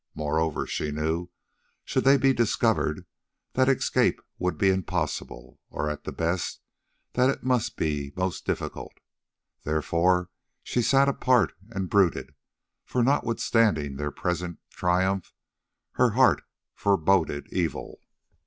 Moreover, she knew, should they be discovered, that escape would be impossible, or at the best, that it must be most difficult. Therefore she sat apart and brooded, for, notwithstanding their present triumph, her heart foreboded evil.